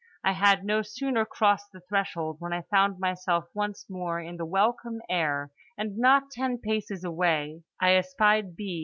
I had no sooner crossed the threshold when I found myself once more in the welcome air; and not ten paces away I espied B.